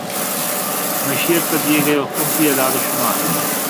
معیشت پر دیے گئے حکومتی اعداد و شمار